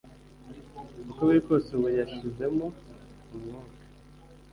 uko biri kose ubu yashizemo umwuka